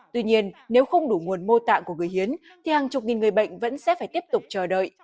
tuy nhiên nếu không đủ nguồn mô tạng của người hiến thì hàng chục nghìn người bệnh vẫn sẽ phải tiếp tục chờ đợi